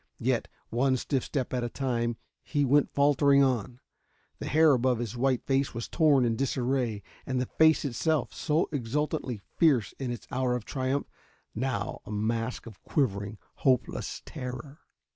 Yet, one stiff step at a time, he went faltering on. The hair above his white face was torn in disarray. And the face itself, so exultantly fierce in its hour of triumph, now a mask of quivering, hopeless terror.